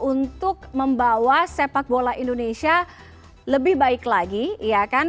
untuk membawa sepak bola indonesia lebih baik lagi ya kan